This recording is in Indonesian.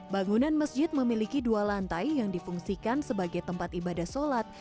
bangunan masjid memiliki dua lantai yang difungsikan sebagai tempat ibadah sholat